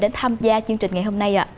đến tham gia chương trình ngày hôm nay ạ